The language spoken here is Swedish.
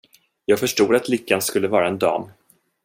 Jag förstod att lyckan skulle vara en dam.